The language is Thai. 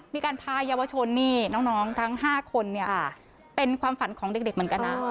มีการพายาวชนนี่น้องทั้ง๕คนเนี่ยเป็นความฝันของเด็กเหมือนกันนะ